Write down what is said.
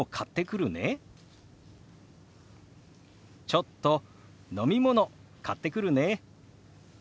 「ちょっと飲み物買ってくるね」。